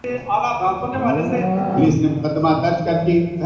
بات عزم اور ہمت کی ہے۔